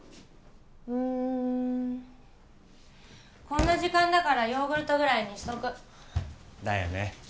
うんこんな時間だからヨーグルトぐらいにしとくだよね